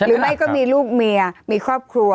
หรือไม่ก็มีลูกเมียมีครอบครัว